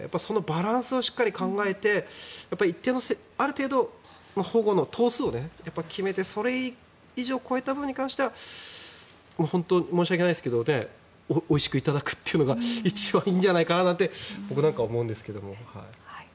頭数制限とかバランスをしっかり考えてある程度、保護の頭数を決めてそれ以上、超えたものに関しては本当に申し訳ないですけどおいしくいただくというのが一番いいんじゃないかななんて僕なんか思うんですけど。